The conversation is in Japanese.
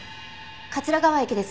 桂川駅です。